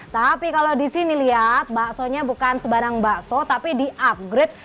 tapi kalau di sini lihat baksonya bukan sebarang bakso tapi di upgrade